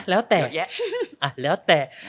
อ่ะแล้วแต่